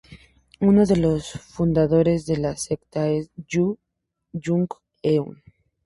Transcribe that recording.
Uno de los fundadores de la secta es Yoo Byung-eun.